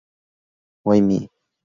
Why Me?